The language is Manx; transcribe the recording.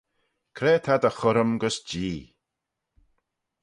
Cre ta dty churrym gys Jee?